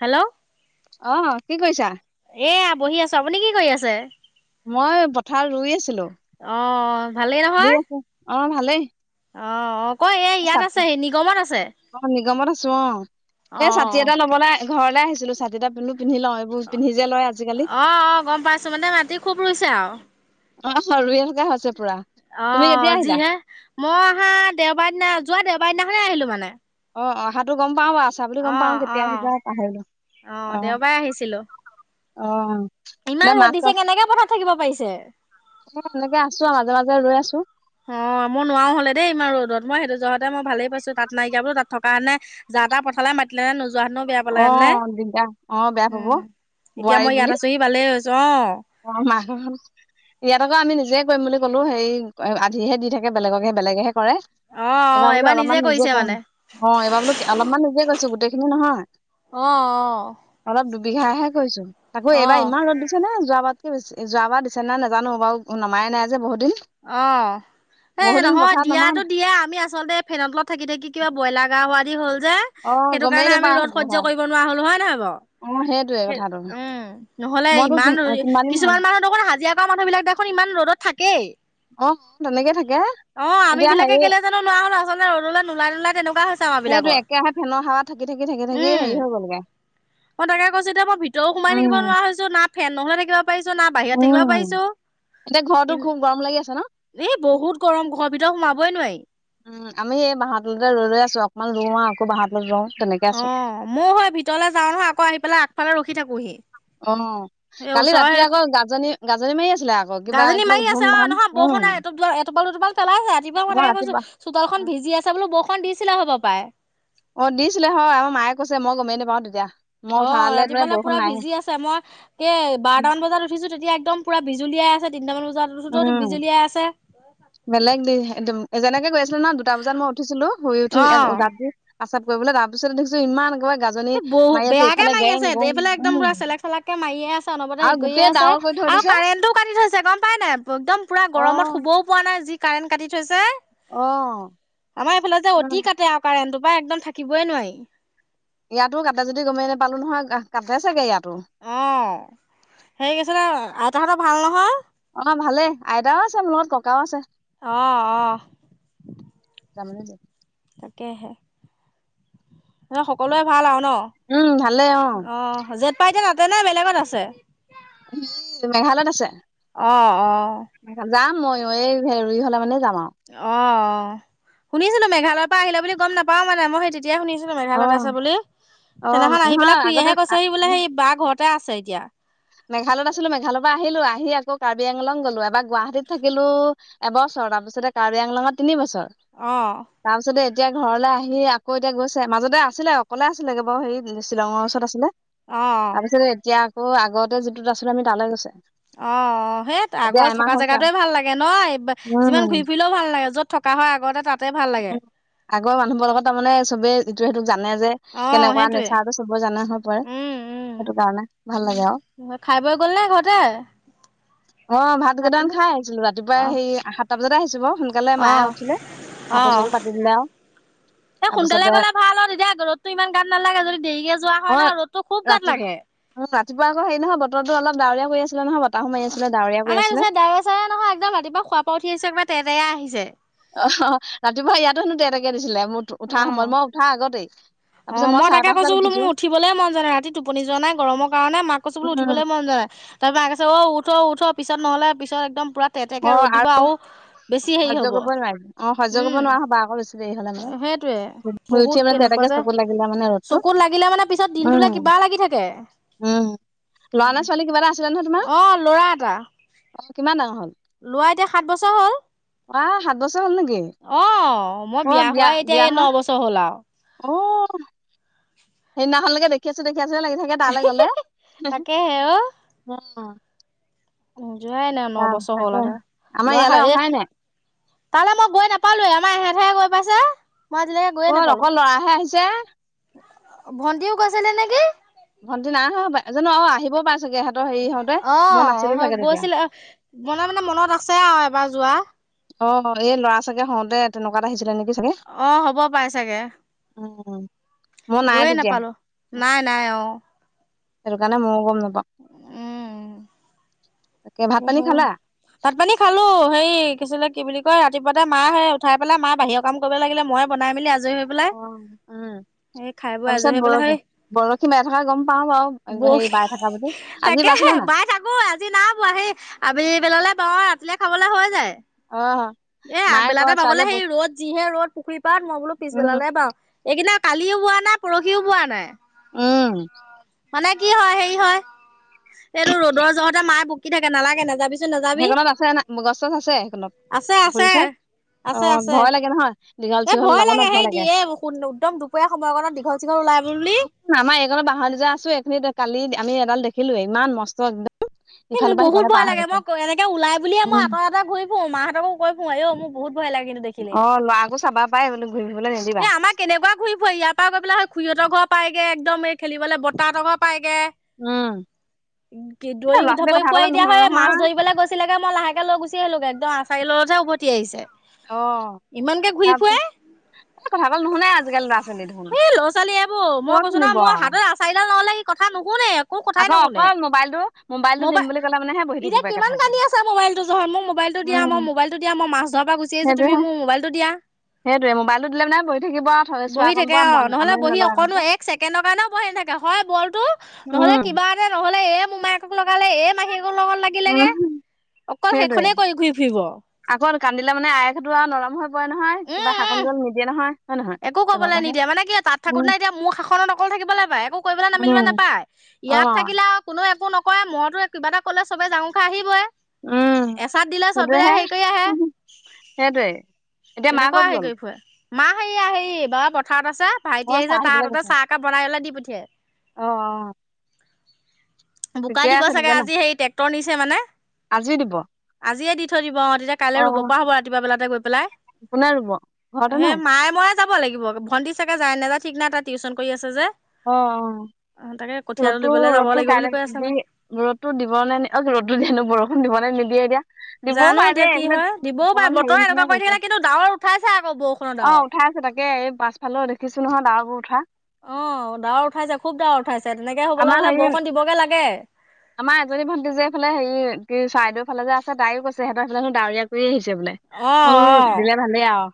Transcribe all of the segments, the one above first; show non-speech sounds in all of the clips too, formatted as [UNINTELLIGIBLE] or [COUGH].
Hello. আহ কি কৈছা? এয়া বহি আছো আপুনি কি কৰি আছে। মই পথাৰত ৰুই আছিলোঁ অ ভালেই নহয়? অ ভালেই। অ অ কয় এই ইয়াত আছে হি নিগমত আছে অ নিগমত আছো অ এ অ ছাতি এটা লবলে ঘৰলৈ আহিছিলোঁ ছাতিটা পালো। অ অ গম পাইছো মানে মাটি খুব ৰুইছে আৱ। অ ৰুইথকা হৈছে। পুৰা অ তুমি কেতিয়া আহিলা যিহে মই অহা দেওবাৰ দিনা যোৱা দেওবাৰ দিনাখনে আহিলো মানে অ অহাটো গ'ম। পাওঁ বাও আছা বুলি অ গম পাওঁ অ কেতিয়া আহিবা পাহৰিলোঁ অ দেওবাৰে আহিছিলো অ। ন ইমান ৰ'দ মাছ দিছে চাছ কেনেকে পথাত থাকিব পাৰিছে। এ এনেকে আছো আৰু মাজে মাজে ৰৈ আছো। অ মই নোৱাৰোও হলে দেই ইমান ৰ'দত মই সেইটো জহতে মই ভালেই পাইছো তাত নাইকিয়া বোল তাত থকাতেনে। যাটা পথালে মাতিলে হয় নো জোৱা হেতেনু বেয়া পালে অ হেতেন নে দিগদাৰ অ বেয়া পাব উম এতিয়া বোৱাৰী মই ইয়াত বুলি আছোহি ভালেই হৈছে অ মানুহ ইয়াত আকৌ আমি নিজে কৰিম বুলি কলো হে আধিহে দি থাকে বেলেগকহে বেলেগেহে কৰে অ', অ', এইবাৰ বোলো অলপমান নিজে কৰিছে কও মানে। অ এইবাৰ বোলো অলপমান নিজে কৰিছোঁ গোটেই খিনি নহয় অহ অহ বিঘাহে কৈছো আকৌ এইবাৰ ইমান ৰ'দ দিছে নহয় যোৱা বাত তে যোৱাবাৰ দিছে নাই নাজানো বাৰু নমাই নাই যে বহুত দিন অহ এ বহুত দিন নহয় পথাৰত নমা দিয়াতো নাই দিয়া আমি আচলতে ফেনৰ তলত থাকি থাকি কিবা ব্ৰইলাৰ গা হোৱা দি হল যে অ সেইটো গমেই কাৰণে আমি নাপাওঁ ৰ'দ সহ্য পথাৰ কৰিব নোৱাৰা হলো হয় নহয় বাঅ অ সেইটোয়ে সে কথাটো উম নহলে মইতো কি ইমান কিমান দিন হ'ল কিছুমান মানুহৰ দেখোন হাজিৰা কৰা মানুহ বিলাক দেখোন ইমান ৰ'দত থাকে অ তেনেকে থাকে অ আম এতিয়া বিলাকে হেৰি কেলে জানো লোৱাৰ হ'ল আচলতে ৰ'দলে নোলাই নোলাই তেনেকুৱা হৈছে আমাৰ সেইটো বিলাকৰ একেৰাহে ফেনৰ হাৱাত থাকি থাকি থাকি থাকি হেৰি উম। হৈ গ'লগে মই তাকে কৈছো এতিয়া মই ভিতৰো সোমাই থাকিব উম নোৱাৰা হৈছো না ফেন নহলে থাকিব পাৰিছো না বাহিৰত থাকিব উম পাৰিছো এতিয়া ঘৰতো খুব গৰম লাগি আছে ন এই বহুত গৰম ঘৰৰ ভিতৰত সোমাবই নোৱাৰি উম আমি এই বাঁহতলতে ৰৈ ৰৈ আছো অকনমান ৰোও আকৌ বাঁহতলতে ৰওঁ তেনেকে আছো অ মও হয় ভিতৰলে যাও নহয় আকৌ আহি পেলাই আগফালে ৰখি থাকোহি অ এই কালি ৰাতি আকৌ গাজনি গাজনি মাৰি আছি গাজনী মাৰি আছে অ নহয় বৰষুণ আৱ এটোপাল দুটোপাল পেলাইছে ৰাতিপুৱা মই আমাৰ তাকে কৈছো ৰাতিপুৱা চোতালখন ভিজি আছে বোলো বষন দিছিলে হব পাই। অ দিছিলে হয় আমাৰ মায়ে কৈছে মই গমেই নেপাওঁ তেতিয়া। মই অ উঠালে মানে ৰাতিপোৱালে বৰষুণ পুৰা নাই ভিজি আছে। মই কে বাৰটামান বজাত উঠিছো তেতিয়া একদম পুৰা বিজুলীয়াই আছে তিনটামান বজাত উচটো উম বিজুলীয়াই আছে। বেলেগ দি দিম। যেনেকে গৈ আছিল ন দুটা বজাত মই উঠিছিলো। শুই উঠি অ' [UNINTELLIGIBLE] পাচাব কৰিবলে। তাৰ পিছত দেখিছো ইমান একেবাই এ বহু বেয়াকে মাৰি আছে। এইফালে একদম উম পুৰা চেলেক চালাকে মাৰিয়ে আছে। অনবৰতে আৰু সেই কয়ে গোটেই আছে। ডাৱৰ কৰি থৈ আৰু দিছে কাৰেণ্টও কাটি থৈছে গম পাই নাই। একদম পুৰা অ গৰমত শুবও পোৱা নাই যি কাৰেণ্ট কাটি থৈছে। অ আমাৰ এইফালে যে উম অতি কাটে আৱ কাৰেন্টো। বা একদম থাকিবই নোৱাৰি। ইয়াতো কাটে যদি গমেই নাপালো নহয়। কাটে চাগে ইয়াত। অ সেই আছিলে আইতাহতৰ ভাল নহয়? অ ভালে আইতাও আছে, মোৰ লগত ককাও আছে। অ অ। তামানে যে। তাকেহে। সকলোৱে ভাল আৰু ন? উম ভালে অ অ যত পাই তাত। তেনে বেলেগত আছে। সি মেঘালয়ত আছে। অ অ। যাম মইও এই হেৰি হলে মানে যাম। আৰু অ শুনিছিলো মেঘালয় পা আহিলে বুলি গম নাপাও মানে। মই সেই তেতি তেতিয়াই শুনিছো অ মেঘালয়ত আছে বুলি। অ সেইদিনাখন আহি পেলাই নহয় আগতে খুইয়েহে কৈছে সি বোলে সেই বা ঘৰত তা আছে এতিয়া। মেঘালয়ত আছিলো, মেঘালয় পা আহিলো, আহি আকৌ কাৰ্বি আংলং গলো, এবাৰ গুৱাহাটীত থাকিলো এবছৰ, তাৰপিছতে কাৰ্বি আংলঙত তিনি বছৰ। অহ। তাৰপিছতে এতিয়া ঘৰলে আহি আকৌ এতিয়া গৈছে। মাজতে আছিলে অকলে আছিলে কে বাও। হেৰি শ্বিলঙৰ ওচৰত আছিলে। অ', তাৰপিছতে এতিয়া আকৌ আগতে যিটোত আছিলো আমি তালৈ গৈছে। অ অ। সেই এতিয়া আগৰ এমাহ থকা হৈছে জেগাটোয়ে ভাল লাগে ন। যিমান উম ঘূৰি ফুৰিলেও ভাল লাগে। য'ত থকা হয় আগতে তাত। উ। আগৰ মানুহবোৰ লগত তাৰমানে চবেই ইটোৱে হিতুক জানে যে অ', কেনেকুৱা সেইটোৱে নেচাৰটো চবে জানে হৈ পৰে। উম, উম, সেইটো কাৰণে ভাল লাগে আও। উম, খাই বৈ গ'লনে ঘৰতে? অ ভাত কেইটামান খাই আহিছিলো ৰাতিপুৱাই অ', হেই সাতটা বজাতে আহিছো বাৱ। সোনকালে মায়ে অ', উঠিলে। ভাত চৌটো পাতি দিলে আও। এ সোনকালে গ'লে ভাল আৰু তেতিয়া ৰ'দতটো ইমান গাত নালাগে। যদি দেৰিকে যোৱা হয় ন ৰ'দতটো খুব ৰাতি গাত লাগে। অ ৰাতিপুৱা আকৌ হেই নহয়। বতৰতো অলপ ডাৱৰীয়া কৰি আছিলে নহয়। বতাহো মাৰি অহ। আছিলে ডাৱৰীয়া কৰি আমাৰ এইটো আছিলে চাইড ডাৱৰ চাৱৰ নহয়। একদম ৰাতিপুৱা খোৱাপা উঠি আহিছে একবাৰ তেৰতেৰা আহিছে। অ ৰাতিপুৱা ইয়াতো হেনো তে তেকে দিছিলে। মোৰ উঠা অ', সময় মই উঠা আগতেই। অ তাৰপিছত মই চাৰে তাকে কৈছো পাঁচটাত বোলো উঠিছো মোৰ উঠিবলে মন যোৱা নাই। ৰাতি টোপনি যোৱা নাই গৰম কাৰণে। মাক কৈছো বোলো উম, উঠিবলে মন যোৱা নাই। তাপা আকছে, অ উঠ উঠ পিছত নহলে পিছত একদম পুৰা তেতেকে অ', ৰ'দ দিব আৰু আউ বেছি হেই সহ্য হ'ব। কৰিব নোৱাৰিম অ', সহ্য কৰিব উম। নোৱাৰা হ'বা আকৌ বেছি দেৰি হ'লে মানে। সেটোৱে। শুই উঠি বহুত মানে কেনেকুৱা তেতিয়াকে যে। চকুত লাগিলে মানে ৰ'দটো। উম, লাগি থাকে। উম, লৰা না ছোৱালী কিবাৰ এটা আছিলে নহয় তোমাৰ? অ লৰা এটা। অ' কিমান ডাঙৰ হ'ল? লৱা এতিয়া সাত বছৰ হ'ল। উৱা সাত বছৰ। হ'ল নেকি? অ মই বিয়া হোৱা এতিয়া এই ন বছৰ হ'ল আৰু অহ। সেইদিনাখনলৈকে দেখি আছো দেখি আছো লাগি থাকে তালছ গলে তাকেহে অ উ। যোৱাই নাই নবছৰ হ'লে আমাৰ ল'ৰা ইয়ালৈ হাল এ অহাই নাই। তালৈ মই গৈ নাপ। পালে আমাৰ এহেত হে গৈ পাইছে। মই আজিলৈকে গৈয়ে অ নাপালো অকল লৰাহে আহিছে। ভন্টিও গৈছিলে নেকি? ভণ্টি নাই অহা সপায় জানো অ আহিব পাইছেগেহেত। অ গৈছিলে মানে মানে মনত আছে আৰু এবাৰ যোৱা অ এই ল'ৰা চাগে হওঁতে তেনেকুৱাত আহিছিলে নেকি? চাগে। অ হ'ব পাই চাগে। অ গৈয়ে নাপালো নাই নাই অ। সেইটো কাৰণে ময়ো গম নাপাওঁ। উম তাকে ভাত পানী খালা? ভাত পানী খালো হেৰি কিছিলে কি বুলি কয় ৰাতিপুৱাতে মাহে উঠাই পেলাই মা বাহিৰৰ কাম কৰিব লাগিলে মইে বনাই মেলি আজ। আজৰি হৈ পেলাই। অ', উম এই খাই বৈ তাৰ আজৰি পিছত হৈ পেলাই বৰশী সেই বৰশী বাই থকা গম পাও বাৰু সেই বাই থকা বুলি আজি তাকে হে বাইছিলে নাই বাই তকৌ আজি না বোৱা আহি আবেলি বেলালে বওঁ ৰাতিলে খাবলে হৈ যায়। অ এ মায়ে আগবেলাতে কয় বাবলে ছোৱালীয়ে সেই ৰ'দ যিহে ৰ'দ পুখুৰী পাৰত মই বোলো উম পিছবেলালে বাওঁ এইকেইনা কালিও বোৱা নাই পৰহিও বোৱা নাই। উম। মানে কি হয় হেৰি হয় এইটো ৰ'দৰ জহতে মায়ে বকি থাকে নালাগে নাযাবি। সেইখনত আছে না গছ চছ আছে সেইখনত আছে পুখুৰী আছে ওচৰত। অ আছে আছে ভয় লাগে নহয় দীঘল এ চীঘল ভয় ওলাব ন লাগে হেই দিয়ে সেই একদম দুপৰীয়া সময়কণত দীঘল চীঘল ওলাই। বুলি আমাৰ এইকনৰ বাহাটোজা আছো এইখিনি কালি আমি এডাল দেখিলো ইমান মস্ত। সেই মোৰ ইফালৰ পৰা বহুত সিফালে পাৰ ভয় হৈ লাগে গৈছে মই এনেকে ওলাই বুলিয়ে মই উম আঁতৰে আঁতৰে ঘূৰি ফুৰও মাহঁতকো কৈ পোওঁ আযৈ মোৰ বহুত। ভয় লাগে কিন্তু দেখিলে অ লৰা আকৌ চাবা পাই বুলো। এ আমাৰ কেনেকুৱা ঘূৰি ফুৰে ইয়াৰ পৰা গৈ পেলাই হয় খুৰহঁতৰ ঘৰ পায়গে একদম খেলিবলৈ বতাহত ঘৰ পায়েগে। উম এ দৌৰি ল'ৰা ছোৱালীয়ে ধাপৰি কথা ক'লে পুৱাই দিয়া নুশুনে হয় মাছ নহয় ধৰিবলৈ গৈছিলেগে মই লাহেকে লৈ গুচি আহিলো একদম [UNINTELLIGIBLE] চাৰি লতহে উভতি আহিছে অ ইমানকে ঘূৰি তাৰপিছত ফুৰে এই কথা ক'লে নুশুনে আজিকালি ল'ৰা ছোৱালী দেখোন এ ল'ৰা ছোৱালী এইবোৰ ক'ত মই কৈছো ন শুনিব মই আৰু হাততে এচাৰি ডাল নহ'লে কি কথা নুশুনে‌ একো কথাই আকৌ নুশুনে। অকল মোবাইলটো মোবাইলটো দিম মবাই বুলি ক'লে মানেহে বহি এতিয়া থাকিব কিমান একেঠাইতে। কান্দি আছে মবাইল টো জহত মোৰ মবাইল মটো দিয়া মই মোবাইলটো দিয়া মই মছ ধৰা পৰা গুছি আহিছোঁ তুমি সেইটোহে মোৰ মবাইলটো দিয়া সেইটোৱে মোবাইল তু দিলে বহি থাকিব থ চোৱা বহি কণ প থাকে অ মন নহ'লে আমনি বহি নলগা কাম অকনো যে। এক ছেকেণ্ডৰ কাৰণেও বহি নাথাকে হয় বলটো নহলে কিবা এটা নহলে এ মোমায়েকক লগালে এই মাহিয়েকক লগত লাগিলেগে অকল সেইটোৱে সেইখনেই কৰি ঘূৰি ফুৰিব আকৌ কান্দিলে মানে আই সেইটো আৰু নৰম হৈ নহয় কিবা উম শাকন উম গ্ৰহণ নিদিয়ে নহয়। হয় নহয়? একো কবলৈ তেনেকুৱাহে নিদিয়ে মানে কি তাত থাকোত উম না এতিয়া মোৰ শাসনত অকল থাকিবলৈ পায় একো কৰিবলৈ নামিবলৈ উম নাপায়। অ ইয়াত থাকিলে আৰু কোনো একো নকৰে মৰতো কিবা এটা কলে চবে জাঙুৰ খাই আহিবই উম এচাত দিলে চবৰাই সেইটোহে হেৰি কৰি আহে সেইটোৱে এতিয়া মা কেনেকুৱা ক'ত হেৰি গ'ল? কৰি ফুৱে মা হে আহে বাবা পথাৰত আছে আছে অ ভাইটি আহিছে চাহ তাহ দিবলৈ হাততে গৈছে চাহ‌একাপ বনাই পেলায় দি পঠিয়াই অ অ বোকা ঠিকে দিব আছে চাগে তেতিয়াহ'লে আজি সেই ট্ৰেক্টৰ নিছে মানে আজি দিব আজিয়ে দি থৈ দিব অ তেতিয়া কাইলৈ অ ৰুব পৰা হ'ব ৰাতিপুৱা বেলাতে গৈ পেলাই কোনে ৰুব ঘৰতে নে? হে মায়ে ময় যাব লাগিব ভন্টি চাগে যায় নেযায় ঠিক নাই এটা টিউচন কৰি আছে যে। অ অ তাকে কঠীয়া ৰ'দো তুলিবলৈ যাব ৰ'দটো লাগিব বুলি কাইলৈ কৈ আছে মায়ে য ৰদো দিব নে নে অ ৰ'দো দিয়ে নো বৰষুণ দিব নে নিদিয়ে এতিয়া দিবও জানো পাৰে এতিয়া দেই কি এইফালে হয় দিবও পাৰে অকমান হেৰি বতৰৰে এনেকুৱা নিচিনা কৰি কৰিছে থাকিলে কিন্তু ডাৱৰ উঠাইছে আকৌ বৰষুণৰ ডাৱৰ ছে তাকে এই পাছফালে দেছো নহয় দা বোৰ অ দাৱৰ উঠাইছে খুব ডাৱৰ উঠাইছে তেনেকে হবলৈ আমাৰ হলে হেৰি বৰষণ দিবগে লাগে। আমাৰ এজনী ভণ্টি যে এফালে হেৰি কি চাইদেউৰ ফালে যে আছে তাইও কৈছে তাহাঁতৰ সেইফালে ডাৱৰীয়া কৰি আহিছে বোলে অ' মো অ' দিলে ভালেই আৰু।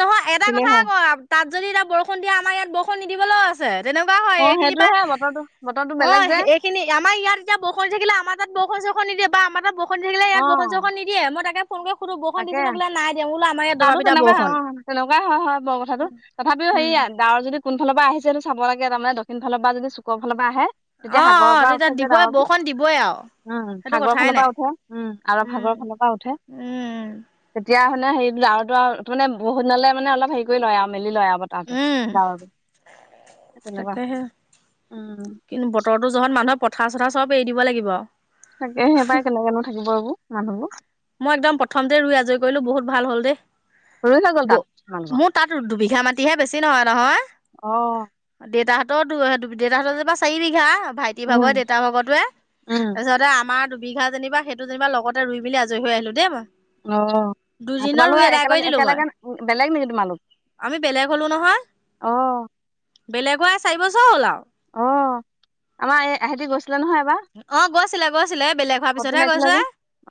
নহয় এটা উঠিলেই কথা হয় ক তাত যদি এতিয়া বৰষুণ দিয়ে আমাৰ ইয়াত বৰষুণ নিদিবলৈও আছে। যেনেকুৱা হয় অ এই কিনিবা। সেইটোহে বতৰটো বতৰটো অ বেলেগ যে সেইখিনি আমাৰ ইয়াত যেতিয়া বৰষুণ থাকিলে আমাৰ তাত বৰষুণ চৰষুণ নিদিয়ে। বা আমাৰ তাত বৰষুণ দি থাকিলে ইয়াত অ বৰষুণ চৰষুণ নিদিয়ে মই তাকে ফোন কৰি সোধু বৰষুণ তাকে দিছে নে বোলে নাই দিয়া বোলো আমাৰ ইয়াত দবা তাতো পিতা তেনেকুৱা বৰখন অ তেনেকুৱাই হয় হয় বৰ কথাটো তথাপিও উম, হেয়া ডাৱৰ যদি যদি কোন ফালৰ পৰা আহিছে সেইটো চাব লাগে তাৰমানে দক্ষিণ ফালৰ পৰা যদি চুকৰ ফালৰ পৰা আহে তেতিয়া অ সাগৰৰ অ পৰা তেতিয়া উঠে যে দিবই ডাৱৰটো বৰষুণ দিবই আৰু উম সেইটো সাগৰৰ কথাই ফালৰ নাই পৰা উঠে উম আৰৱ উম সাগৰৰ উম এতিয়া মানে হেৰি আৰুটো আৰু তাৰে বহুত দিনলে মানে অলপ হেৰি কৰি লয় আৰু। মেলি লয় আব উম তাহোই তেনেকুৱা তাকেহে উ কিন্তু বতৰো যহত মানুহে পথাৰ চথাৰ চব এৰি দিব লাগিব আৰু তাকে সেই পাই কেনেকেনো থাকিব এইবোৰ মানুহবোৰ মই একদম প্ৰথমতে ৰুই আজৰি কৰিলো বহুত ভাল হ'ল দেই ৰুই হৈ গ'ল ব তাত তোমালোকৰ মোৰ তাত দুবিঘা মাটিহে বেছি নহয় অ নহয় দেটা তঁতৰ দেউতাহঁতৰ যেপা চাৰি বিঘা ভাইটিৰ ভাগৰ উম দেউতাৰ ভাগতে উম তাৰপিছতে আমাৰ বিঘা যেনিবা সেইটো যেনিবা লগতে ৰুই মেলি আজৰি হৈ আহিলো দেই ম অ তোমালোক কৰি একেলগে দিলো মই একেলগে বেলেগ নেকি তোমালোক আমি বেলেগ হলো নহয় অ বেলেগ হৈ চাৰি বছ অ আমাৰ এই আহেতি গৈছে। অ গৈছিলে গৈছিলে বেলেগ হোৱাৰ ফটো পিছতহে মাৰিছিলে গৈছে যে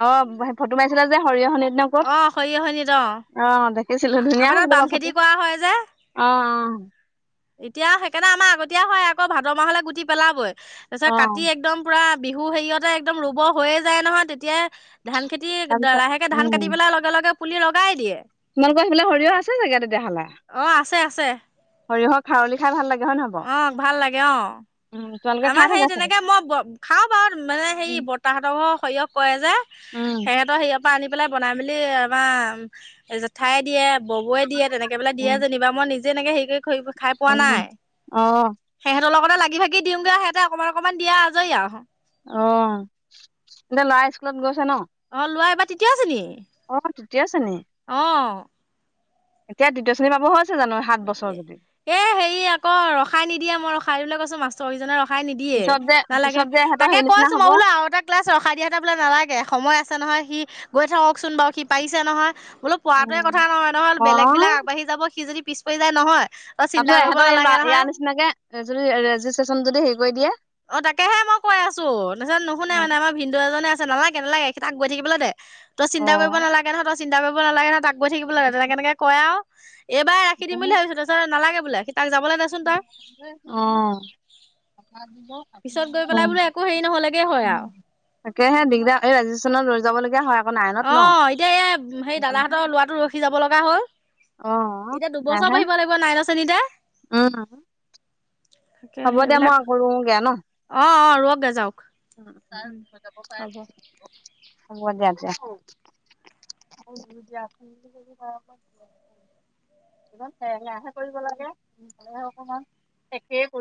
অ সে ফটো মাৰিছিলা যে সৰিয়হ হেদিনা অ সৰিয়হনিত ওপৰত অ দেখিছিলো ধুনীয়া আমাৰ তাত হব বাম খেতি কৰা হয় যে অহ অ এতিয়া সেইকাৰণে আমাৰ আগতীয়া হয় আকৌ ভাদ মাহলে গুটি পেলাবই তাৰপিছত অ অ কাটি একদম পুৰা বিহু হেৰিয়তে একদম ৰুব হৈয়ে যায় নহয় তেতিয়াই ধান খেতি তাৰপিছত লাহেকে ধান উম কাটি পেলাই লগে লগে পুলি লগাই দিয়ে তোমালোকৰ সেইফালে সৰিয়হ আছে চাগে তেতিয়া হলে অ আছে আছে সৰিয়হৰ খাৰলি খাই ভাল লাগে হয় নহয় অ ভাল লাগে অ বাও উম তোমালোকে আমাৰ খাই সেই থাকা চাগে তেনেকে মই খাওঁ বাৰু মানে হেৰি উম বতাহতৰ সৰিয়ক কয় যে সিহঁতৰ সিয়ৰ পৰা আনি পেলাই বনাই মেলি আমাৰ জেঠাই দিয়ে ববয়ে দিয়ে তেনেকেবোলে দিয়ে উম যেনিবা মই নিজে এনেকে হে কৰি খাই পোৱা নাই উম অ অ সিহঁতৰ লগতে লাগি ভাগ দিমগে সেত অকমান অকমান দিয়া আজৰি আৰু অ এতিয়া ল'ৰা স্কুলত গৈ অ লোৱা এইবাৰ তৃতীয় শ্ৰেণী অ তৃতীয় শ্ৰেণী অ এতিয়া দ্বিতীয় শ্ৰেণী পাব হল এ এ হেৰি আকৌ ৰসাই নিদিয়ে মই ৰসাই বোলে কৈছো মাষ্টৰ [UNINTELLIGIBLE] নে ৰখাই নিদিয়ে পিছত যে নালাগে, পিছত যে ইহঁতৰ তাকে হেৰি নিচিনা কৈছো হ'ব মই বোলো আৰু এটা ক্লাছ ৰখাই দিয়া এটা বোলে নালাগে সময়। [UNINTELLIGIBLE] আছে নহয় সি। গৈ থাককচোন বাৰু সি পাৰিছে নহয়, বোলো পোৱাটোৱে উম কথা নহয় নহয় অ বেলেগবিলাক আগবাঢ়ি যাব সি যদি। [UNINTELLIGIBLE] কৰি যায় নহয়। তই চিন্তা তাৰপিছত কৰিব নালাগে ইহঁতৰ নহয় এাৰ নিচিনাকে যদি ৰেজিষ্ট্ৰেশচন যদি হেৰি কৰি দিয়ে। অ তাকেহে মই কৈ আছো তাৰপিত নুশুনে অ', মানে আমাৰ ভিন্দু এজনে আছে নালাগে নালাগে তাক গৈ থাকিবলৈ দে। তই চিন্তা কৰিব নালাগে নহয় তই চিন্তা কৰিব নালাগে নহ তাক গৈ থাকিব লাগে তেনেক কেনেকে কয় আৰু। এইবাৰ ৰাখি দিম বুলি ভাবিছো তাৰপিছত নালাগে বোলে তাক যাবলৈ দেচোন তই অহ। পিছত গৈ অ, পেলাই বোলে একো হেৰি নহ'লেগে হয় আৰু তাকেহে দিগদাৰ এই ৰাজস্থানত লৈ যাব লাগিব। অ এতিয়া এই সেই দাদাহঁতৰ লৰাটো ৰখি যাব লগা হ'ল। অ', এতিয়া দুবছৰ পঢ়িব লাগিব নাই ন শ্ৰেণীতে। অ। তাকে সেইবিলাক, অ অ ৰুঅগগে [UNINTELLIGIBLE] যাওক। উ কাৰ হ'ব যাব হব দিয়া। [UNINTELLIGIBLE] অ জ আখ ব। হেৰেগা হে কৰিব লাগে, স অকমান একেই কৰি। [UNINTELLIGIBLE]